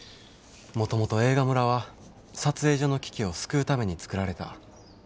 もともと映画村は撮影所の危機を救うために作られた。